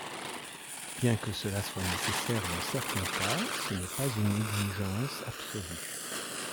Bien que cela soit nécessaire dans certains cas, ce n'est pas une exigence absolue.